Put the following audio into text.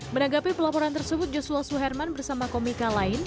menanggapi pelaporan tersebut joshua suherman bersama komika lain